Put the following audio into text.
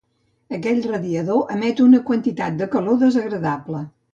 Aquell radiador emet una quantitat de calor desagradable.